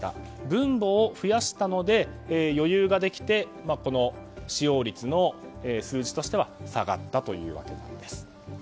分母を増やしたので余裕ができて使用率の数字としては下がったというわけなんです。